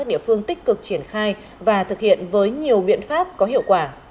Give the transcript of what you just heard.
địa phương tích cực triển khai và thực hiện với nhiều biện pháp có hiệu quả